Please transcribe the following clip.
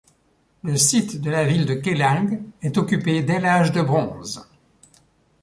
Le site de la ville de Kelang est occupé dès l'âge de Bronze.